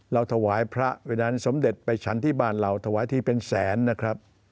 ถวายพระวันนั้นสมเด็จไปฉันที่บ้านเราถวายทีเป็นแสนนะครับ